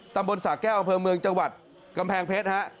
ตำบลสากแก้วกำเภอเมืองจังหวัดกำแพงเพชรครับ